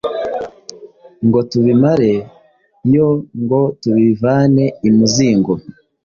ngo tubimare yo ngo tubivane i Muzingo